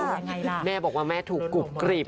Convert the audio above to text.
สังวัยแม่บอกแม่ถูกกรุบกรีบ